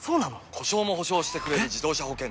故障も補償してくれる自動車保険といえば？